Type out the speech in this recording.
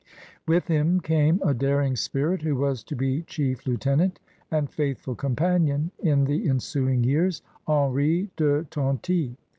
With him came a daring spirit who was to be chief lieutenant and faithful companion in the ensuing years, Henri de Tonty.